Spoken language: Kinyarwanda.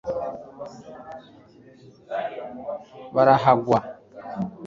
barahagwa